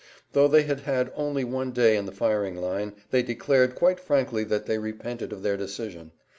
Though they had had only one day in the firing line they declared quite frankly that they repented of their decision.